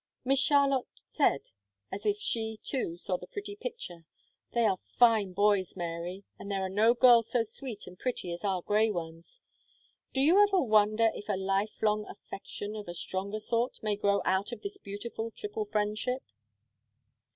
Miss Charlotte said, as if she, too, saw the pretty picture: "They are fine boys, Mary, and there are no girls so sweet and pretty as our Grey ones. Do you ever wonder if a lifelong affection, of a stronger sort, may grow out of this beautiful triple friendship?"